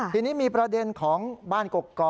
ทีนี้มีประเด็นของบ้านกกอก